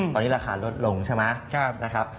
ตอนนี้ราคาลดลงใช่ไหมนะครับ